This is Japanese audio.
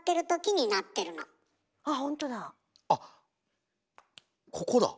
あっここだ。